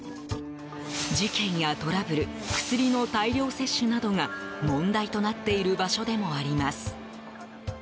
事件やトラブル薬の大量摂取などが問題となっている場所でもあります。